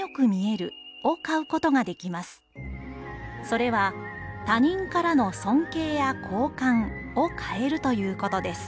それは他人からの尊敬や好感を買えるということです。